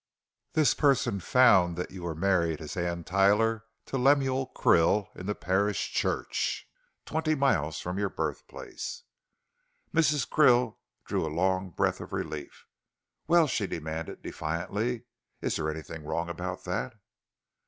This person found that you were married as Anne Tyler to Lemuel Krill in the parish church, twenty miles from your birthplace." Mrs. Krill drew a long breath of relief. "Well?" she demanded defiantly, "is there anything wrong about that?"